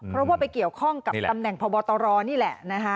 เพราะว่าไปเกี่ยวข้องกับตำแหน่งพบตรนี่แหละนะคะ